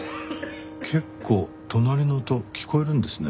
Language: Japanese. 結構隣の音聞こえるんですね。